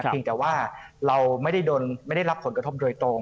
แต่ว่าเราไม่ได้รับผลกระทบโดยตรง